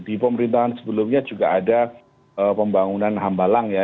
di pemerintahan sebelumnya juga ada pembangunan hambalang ya